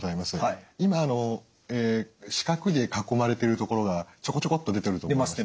今四角で囲まれている所がちょこちょこっと出てると思います。